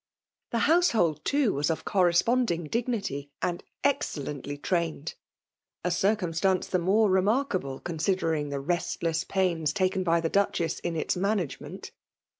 The household, too, was of corresponding dignity, and excellently trained; a circumstance the more remarkable, consider ing the restless pains taken by the Duchess in its management.